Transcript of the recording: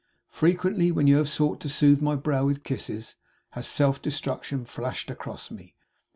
Frequently when you have sought to soothe my brow with kisses has self destruction flashed across me.